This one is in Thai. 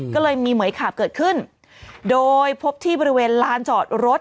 ก็เลยมีเหมือยขาบเกิดขึ้นโดยพบที่บริเวณลานจอดรถ